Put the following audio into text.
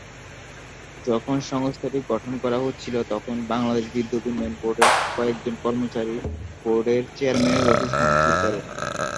যখন সংস্থাটি গঠন করা হচ্ছিল তখন বাংলাদেশ বিদ্যুৎ উন্নয়ন বোর্ডের কয়েকজন কর্মচারী বোর্ডের চেয়ারম্যানের অফিস ভাংচুর করে।